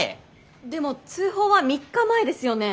でも通報は３日前ですよね？